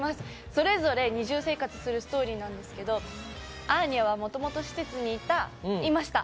それぞれ二重生活をするストーリーなんですけどアーニャはもともと施設にいました。